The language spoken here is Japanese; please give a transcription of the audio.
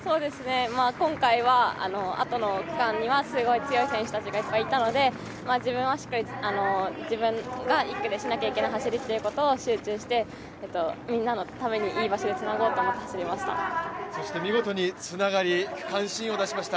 今回はあとの区間にはすごい強い選手たちがいっぱいいたので自分はしっかり自分が１区でしなきゃいけない走りを集中してみんなのためにいい場所につなごうと思って走りました。